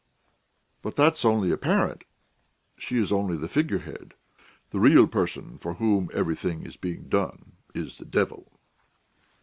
But that's only apparent: she is only the figurehead. The real person, for whom everything is being done, is the devil."